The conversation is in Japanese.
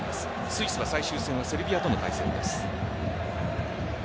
スイスは最終戦セルビアとの対戦です。